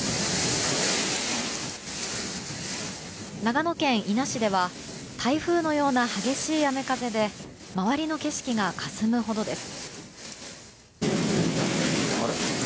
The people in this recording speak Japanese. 長野県伊那市では台風のような激しい雨風で周りの景色がかすむほどです。